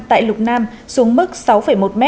tại lục nam xuống mức sáu một m